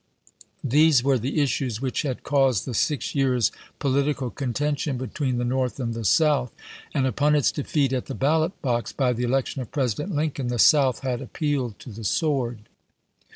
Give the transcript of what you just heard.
These were the issues which had caused the six years' political contention between the North and the South ; and upon its defeat at the ballot box, by the election of President Lincoln, the South had appealed to the sword.